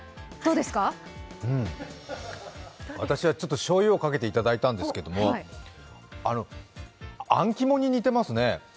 うん、私はちょっとしょうゆをかけて頂いたんですけどもアンキモに似てますね。